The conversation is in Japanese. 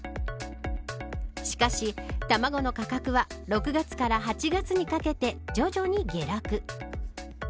しかし、卵の価格は６月から８月にかけて徐々に下落。